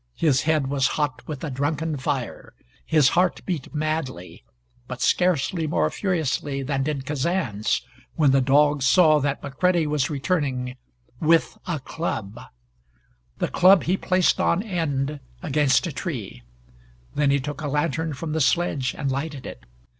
His head was hot with a drunken fire. His heart beat madly, but scarcely more furiously than did Kazan's when the dog saw that McCready was returning with a club! The club he placed on end against a tree. Then he took a lantern from the sledge and lighted it.